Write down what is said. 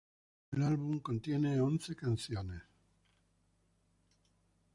El álbum contiene once canciones.